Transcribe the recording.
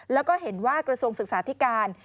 แล้วก็เห็นว่ากระทรวงศึกษาธิการ